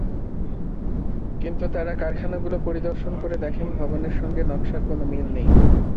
কিন্তু তাঁরা কারখানাগুলো পরিদর্শন করে দেখেন ভবনের সঙ্গে নকশার কোনো মিল নেই।